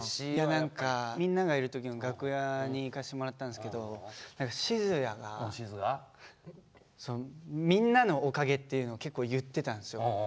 何かみんながいる時の楽屋に行かせてもらったんですけど閑也が「みんなのおかげ」っていうのを結構言ってたんですよ。